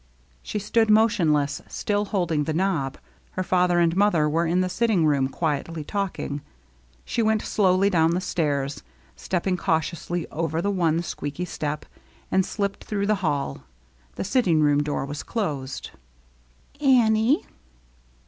She stood motionless, still holding the knob. Her father and mother were in the sitting room quietly talking. She went slowly down the stairs, stepping cautiously over the one squeaky step, and slipped through the hall. The sitting room door was closed. "Annie?"